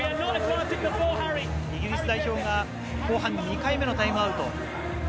イギリス代表が後半２回目のタイムアウト。